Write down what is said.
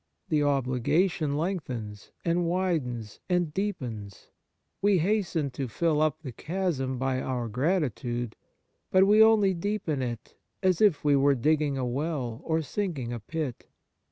The obligation lengthens, and widens, and deepens. We hasten to fill up the chasm by our gratitude ; but we only deepen it, as if we were digging a well or sinking a pit.